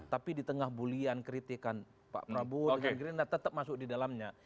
tapi di tengah bulian kritikan pak prabowo dengan gerindra tetap masuk di dalamnya